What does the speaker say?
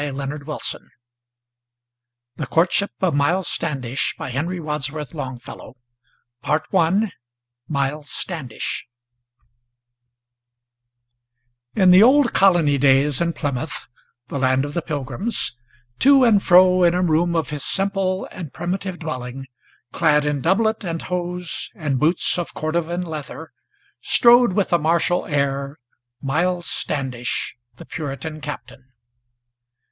THE COURTSHIP OF MILES STANDISH I MILES STANDISH In the Old Colony days, in Plymouth the land of the Pilgrims, To and fro in a room of his simple and primitive dwelling, Clad in doublet and hose, and boots of Cordovan leather, Strode, with a martial air, Miles Standish the Puritan Captain.